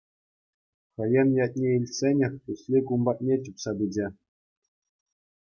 Хӑйӗн ятне илтсенех Туслик ун патне чупса пычӗ.